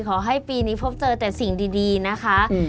ขอให้ปีนี้พบเจอแต่สิ่งดีนะคะ